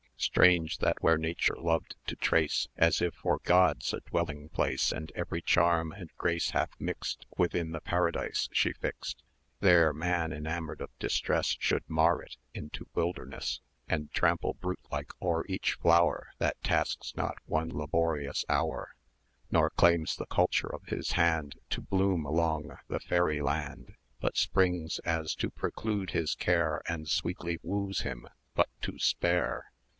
Strange that where Nature loved to trace, As if for Gods, a dwelling place, And every charm and grace hath mixed Within the Paradise she fixed, There man, enamoured of distress, 50 Should mar it into wilderness,[ch] And trample, brute like, o'er each flower That tasks not one laborious hour; Nor claims the culture of his hand To bloom along the fairy land, But springs as to preclude his care, And sweetly woos him but to spare!